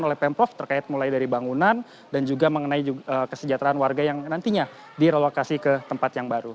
oleh pemprov terkait mulai dari bangunan dan juga mengenai kesejahteraan warga yang nantinya direlokasi ke tempat yang baru